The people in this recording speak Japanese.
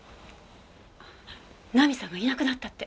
奈美さんがいなくなったって。